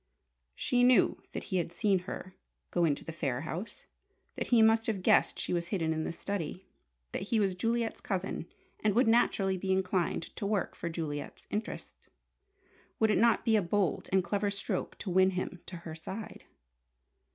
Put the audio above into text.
She knew that he had seen her go into the Phayre house; that he must have guessed she was hidden in the study; that he was Juliet's cousin and would naturally be inclined to work for Juliet's interest. Would it not be a bold and clever stroke to win him to her side?